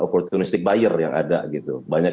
opportunistic buyer yang ada gitu banyak